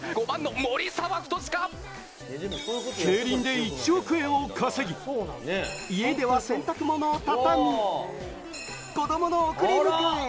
競輪で１億円を稼ぎ、家では洗濯物をたたみ、子供の送り迎え。